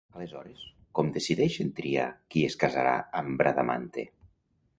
Aleshores, com decideixen triar qui es casarà amb Bradamante?